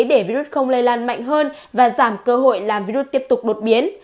để virus không lây lan mạnh hơn và giảm cơ hội làm virus tiếp tục đột biến